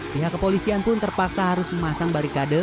pihak kepolisian pun terpaksa harus memasang barikade